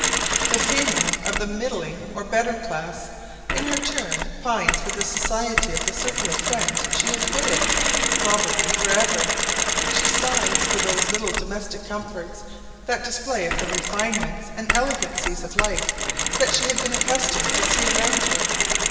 The female of the middling or better class, in her turn, pines for the society of the circle of friends she has quitted, probably for ever. She sighs for those little domestic comforts, that display of the refinements and elegancies of life, that she had been accustomed to see around her.